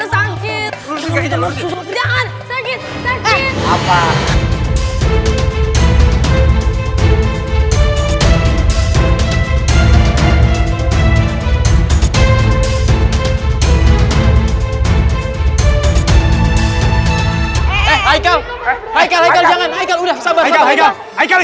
eh gak boleh kayak gitu